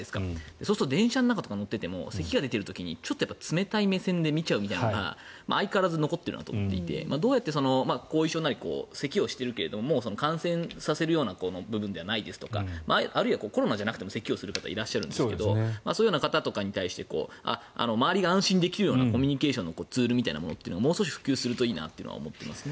そうすると電車に乗っていてもせきが出た時に冷たい目線で見ちゃうみたいなのが相変わらず残ると思っていてどうやって後遺症とかせきをしているけれども感染させるような部分ではないですとかあるいはコロナじゃなくてもせきをする方いらっしゃるんですけどそういうような方に対して周りが安心できるようなコミュニケーションのツールみたいなものがもうちょっと普及するといいなと思っていますね。